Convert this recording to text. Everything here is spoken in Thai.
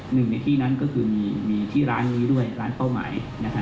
หนึ่งในที่นั้นก็คือมีที่ร้านนี้ด้วยร้านเป้าหมาย